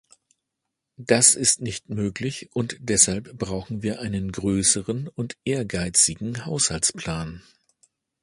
Das ist nicht möglich, und deshalb brauchen wir einen größeren und ehrgeizigen Haushaltsplan.